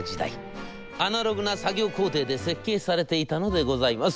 アナログな作業工程で設計されていたのでございます。